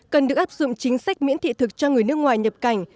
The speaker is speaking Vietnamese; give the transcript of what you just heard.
cần được áp dụng chính sách miễn thị thực cho người nước ngoài nhập cảnh